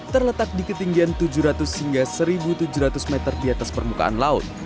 terletak di ketinggian tujuh ratus hingga satu tujuh ratus meter di atas permukaan laut